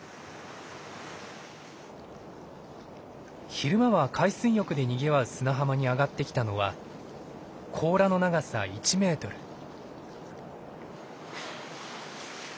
昼間は海水浴でにぎわう砂浜に上がってきたのは甲羅の長さ１メートルアオウミガメです。